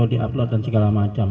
di upload dan segala macam